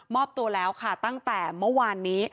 อบตัวแล้วค่ะตั้งแต่เมื่อวานนี้